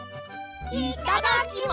いただきます！